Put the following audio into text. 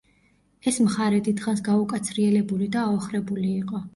ეს მხარე დიდხანს გაუკაცრიელებული და აოხრებული იყო.